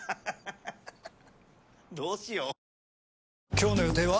今日の予定は？